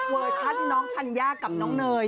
เวอร์ชั่นน้องทันเย้ากับน้องเนย